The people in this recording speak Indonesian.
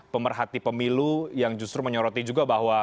pemerhati pemilu yang justru menyoroti juga bahwa